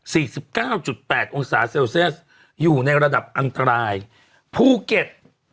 สิบเก้าจุดแปดองศาเซลเซียสอยู่ในระดับอันตรายภูเก็ต